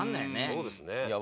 そうですね。